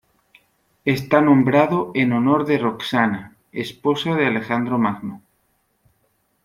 Está nombrado en honor de Roxana, esposa de Alejandro Magno.